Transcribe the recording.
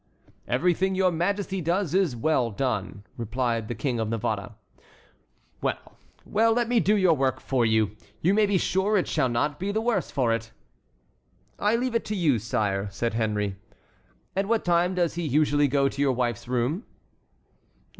"Everything your Majesty does is well done," replied the King of Navarre. "Well, well, let me do your work for you. You may be sure it shall not be the worse for it." "I leave it to you, sire," said Henry. "At what time does he usually go to your wife's room?"